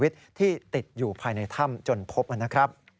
ติดอยู่ภายในถ้ำจนพบกันนะครับ